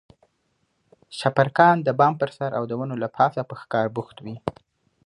شپرکان د بام پر سر او د ونو له پاسه په ښکار بوخت وي.